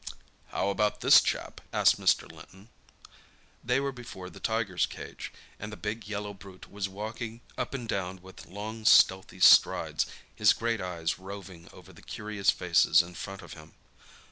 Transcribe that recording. "How about this chap?" asked Mr. Linton. They were before the tiger's cage, and the big yellow brute was walking up and down with long stealthy strides, his great eyes roving over the curious faces in front of him.